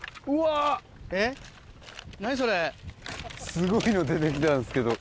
すごいの出てきたんですけど。